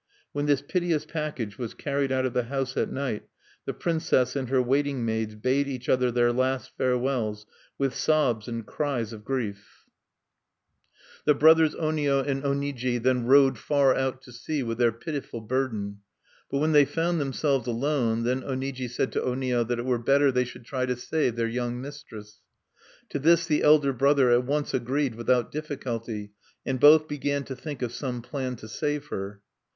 When this piteous package was carried out of the house at night, the princess and her waiting maids bade each other their last farewells, with sobs and cries of grief. (1) Onio, "the king of devils," Oniji, "the next greatest devil." The brothers Onio and Oniji then rowed far out to sea with their pitiful burden. But when they found themselves alone, then Oniji said to Onio that it were better they should try to save their young mistress. To this the elder brother at once agreed without difficulty; and both began to think of some plan to save her.